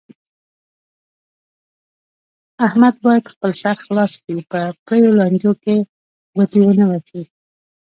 احمد باید خپل سر خلاص کړي، په پریو لانجو کې ګوتې و نه وهي.